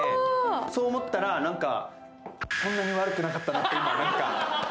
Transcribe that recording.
そう思ったら、何かそんなに悪くなかったなという思いが。